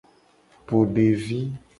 Po devi.